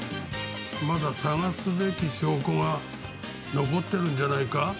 まだ探すべき証拠が残っているんじゃないか？